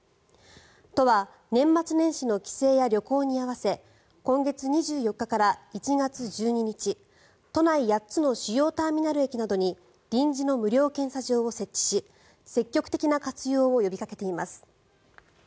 都は年末年始の帰省や旅行に合わせ今月２４日から１月１２日都内８つの主要ターミナル駅などに臨時の無料検査場を設置し積極的な活用を呼びかけています。